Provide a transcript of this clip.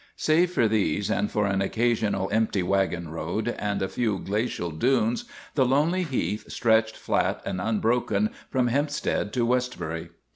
Save for these and for an occasional empty wagon road and a few glacial dunes, the lonely heath stretched flat and unbroken from Hempstead to Westbury.